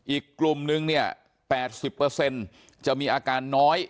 อีกกลุ่มนึงเนี่ย๘๐จะมีอาการน้อย